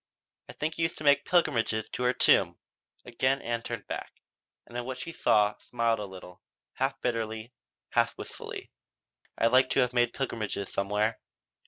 I think you used to make pilgrimages to her tomb." Again Ann turned back, and at what she saw smiled a little, half bitterly, half wistfully. "I'd like to have made pilgrimages somewhere."